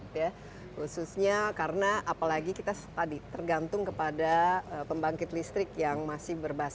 khususnya karena apalagi kita tadi tergantung kepada pembangkit listrik yang masih berbasis